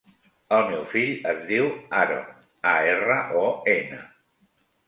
El meu fill es diu Aron: a, erra, o, ena.